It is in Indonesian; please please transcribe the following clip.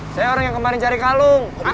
saya orang yang kemarin cari kalung